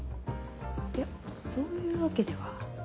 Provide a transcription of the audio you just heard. いやそういうわけでは。